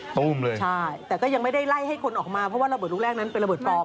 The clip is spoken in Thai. ตู้มเลยใช่แต่ก็ยังไม่ได้ไล่ให้คนออกมาเพราะว่าระเบิดลูกแรกนั้นเป็นระเบิดปลอม